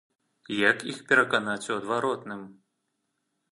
Як іх пераканаць у адваротным?